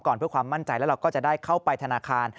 เพื่อความมั่นใจแล้วเราก็จะได้เข้าไปธนาคาร